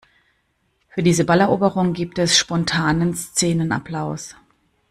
Für diese Balleroberung gibt es spontanen Szenenapplaus.